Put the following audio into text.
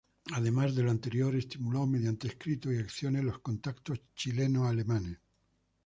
Además de lo anterior, estimuló mediante escritos y acciones los contactos chileno-alemanes.